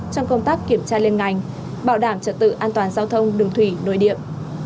trong công tác kiểm tra lên ngành bảo đảm trật tự an toàn giao thông đường thủy nội điện